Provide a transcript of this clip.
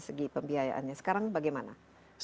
segi pembiayaannya sekarang bagaimana